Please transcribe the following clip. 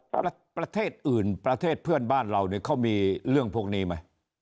ประเทศอื่นประเทศเพื่อนบ้านเราเนี่ยเขามีเรื่องพวกนี้ไหม